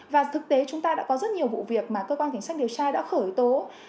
và thực tế chúng ta đã có rất nhiều vụ việc mà cơ quan tính sách điều trai đã khởi tố